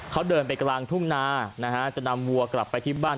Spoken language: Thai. เขาเดินไปกลางทุ่งนานะฮะจะนำวัวกลับไปที่บ้าน